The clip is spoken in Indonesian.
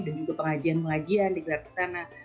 dan juga pengajian pengajian di grant sana